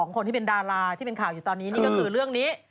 คนที่เป็นดาราที่เป็นข่าวอยู่ตอนนี้นี่ก็คือเรื่องนี้